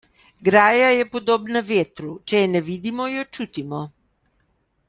Graja je podobna vetru: če je ne vidimo, jo čutimo.